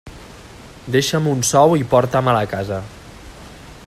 Deixa'm un sou i porta-me'l a casa.